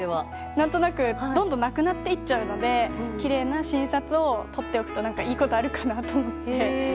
何となく、どんどんなくなっていっちゃうのできれいな新札を取っておくといいことがあるかなと思って。